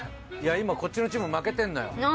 いや今こっちのチーム負けてるのよ。